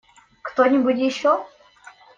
Кто-нибудь еще?